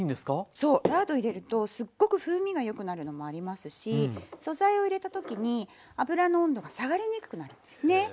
そうラード入れるとすっごく風味がよくなるのもありますし素材を入れた時に油の温度が下がりにくくなるんですね。